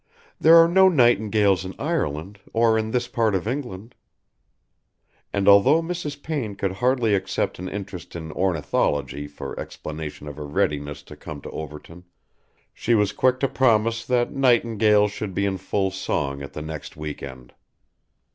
There are no nightingales in Ireland or in this part of England." And although Mrs. Payne could hardly accept an interest in ornithology for explanation of her readiness to come to Overton, she was quick to promise that nightingales should be in full song at the next weekend.